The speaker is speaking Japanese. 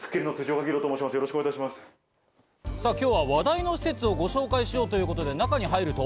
今日は話題の施設をご紹介しようということで、中に入ると。